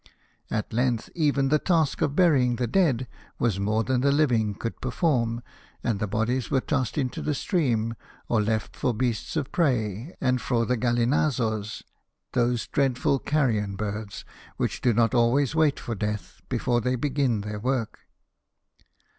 At length even the task of burying the dead was more than the living could perform, and the bodies were tossed into the stream, or left for beasts of prey, and for the gallinazos — those dreadful carrion birds, which do not always wait for death before they begin their work.